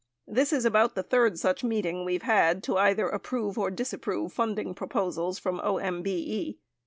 This is about the third such meet ing we've had to either approve or disapprove funding pro posals from OMBE.